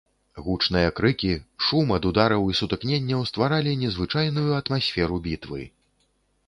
Гучныя крыкі, шум ад удараў і сутыкненняў стваралі незвычайную атмасферу бітвы.